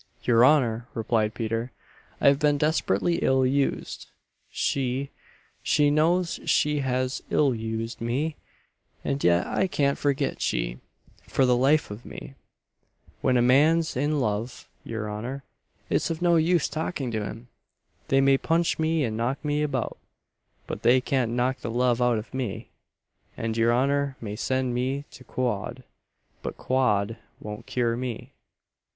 "Your honour," replied Peter, "I have been desperately ill used. She she knows she has ill used me: and yet I can't forget she, for the life of me! When a man's in love, your honour, it's of no use talking to him! They may punch me and knock me about, but they can't knock the love out of me; and your honour may send me to quod, but quod won't cure me.